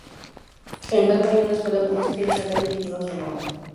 En Palma hay una escuela pública y un calle que llevan su nombre.